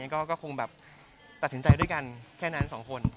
ก็คงแบบตัดสินใจด้วยกันแค่นั้น๒คน